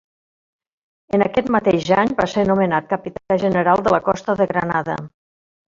En aquest mateix any va ser nomenat Capità General de la Costa de Granada.